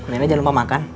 nenek jangan lupa makan